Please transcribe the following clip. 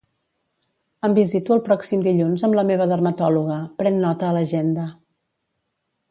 Em visito el pròxim dilluns amb la meva dermatòloga, pren nota a l'agenda.